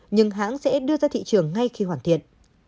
nhưng hãng sẽ đưa ra thị trường ngay khi hoàn thiện